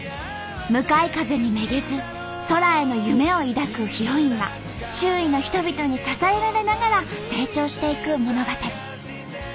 向かい風にめげず空への夢を抱くヒロインが周囲の人々に支えられながら成長していく物語。